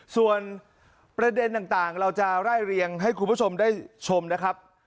ส่วนประเด็นต่างเราจะไล่เรียงให้คุณผู้ชมได้ชมนะครับ